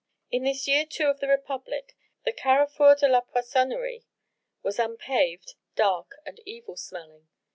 In this year II of the Republic the Carrefour de la Poissonnerie was unpaved, dark and evil smelling.